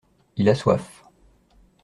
Il a soif.